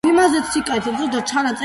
დგამდა ქართულ ოპერებს.